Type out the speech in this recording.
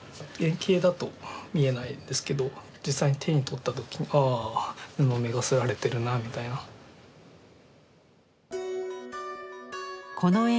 遠景だと見えないんですけど実際に手に取った時にああ布目が摺られてるなみたいな。